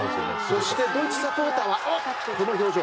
そしてドイツサポーターはこの表情。